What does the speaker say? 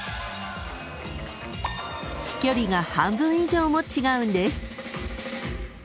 ［飛距離が半分以上も違うんです］